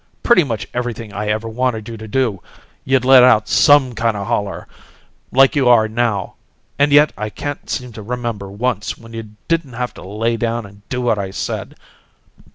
Pretty much everything I ever wanted you to do, you'd let out SOME kind of a holler, like you are now and yet I can't seem to remember once when you didn't have to lay down and do what I said.